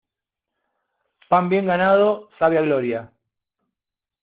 Pan bien ganado, sabe a gloria.